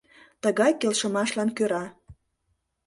Тыгай келшымашлан кӧра